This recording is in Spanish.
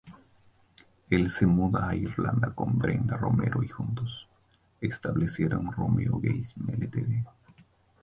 El se muda a Irlanda con Brenda Romero y juntos establecieron Romero Games Ltd.